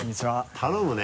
頼むね。